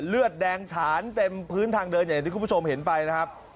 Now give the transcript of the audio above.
เลือดแดงฉานเต็มพื้นทางเดินอย่างที่คุณผู้ชมเห็นไปนะครับ